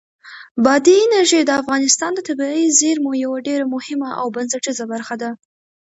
بادي انرژي د افغانستان د طبیعي زیرمو یوه ډېره مهمه او بنسټیزه برخه ده.